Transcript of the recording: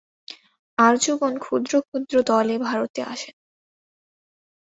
আর্যগণ ক্ষুদ্র ক্ষুদ্র দলে ভারতে আসেন।